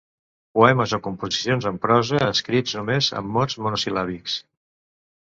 Poemes o composicions en prosa escrits només amb mots monosil·làbics.